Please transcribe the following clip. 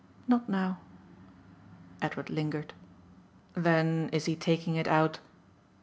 Not now." Edward lingered. "Then is he taking it out